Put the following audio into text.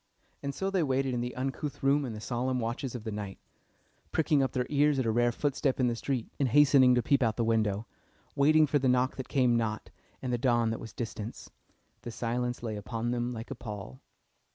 And so they waited in the uncouth room in the solemn watches of the night, pricking up their ears at a rare footstep in the street, and hastening to peep out of the window; waiting for the knock that came not, and the dawn that was distant. The silence lay upon them like a pall.